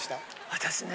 私ね。